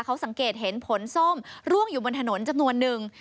เขาสังเกตเห็นผลส้มร่วงอยู่บนถนนจำนวนนึง